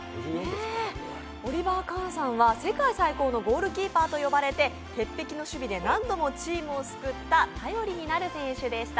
オリバー・カーンさんは世界最高のゴールキーパーといわれ鉄壁の守備で何度もチームを救った頼りになる選手でした。